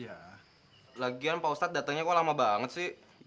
ya lagian pak ustadz datangnya kok lama banget sih